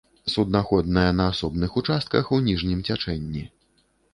Суднаходная на асобных участках у ніжнім цячэнні.